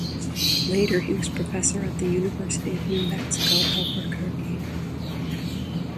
Later he was professor at the University of New Mexico, Albuquerque.